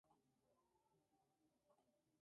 El creador de la aspiradora fue Hubert Cecil Booth.